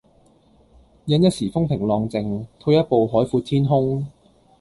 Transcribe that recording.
忍一時風平浪靜，退一步海闊天空